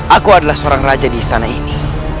aku adalah seorang raja di istana ini